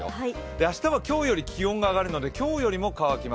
明日は今日より気温が上がるので今日よりも乾きます。